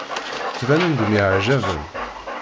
Ttbanen-d myeɛjaben.